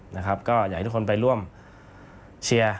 อยากให้ทุกคนไปร่วมเชียร์